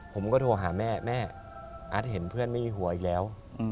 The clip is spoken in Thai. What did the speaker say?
ผมก็โทรหาแม่แม่อาร์ตเห็นเพื่อนไม่มีหัวอีกแล้ว